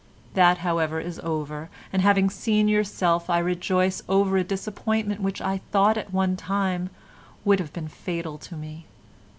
That, however, is over, and having seen yourself I rejoice over a disappointment which I thought at one time would have been fatal to me.